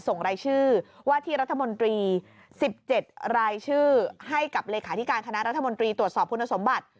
ส่งรายชื่อว่าที่รัฐมนตรี๑๗รายชื่อให้กับเลขาธิการคณะรัฐมนตรีตรวจสอบคุณสมบัติ